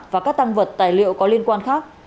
và các tăng vật tài liệu có liên quan khác